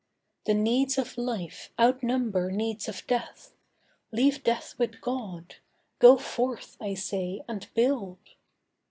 The needs of life outnumber needs of death. Leave death with God. Go forth, I say, and build.